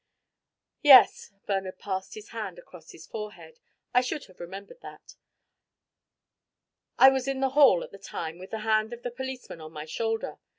"Yes." Bernard passed his hand across his forehead. "I should have remembered that. I was in the hall at the time with the hand of the policeman on my shoulder.